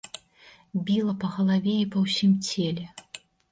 Біла па галаве і па ўсім целе.